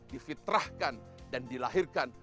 dividrahkan dan dilahirkan